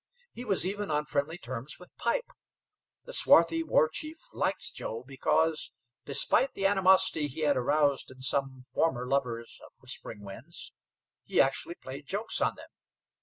He was even on friendly terms with Pipe. The swarthy war chief liked Joe because, despite the animosity he had aroused in some former lovers of Whispering Winds, he actually played jokes on them.